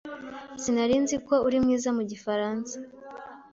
Sinari nzi ko uri mwiza mu gifaransa.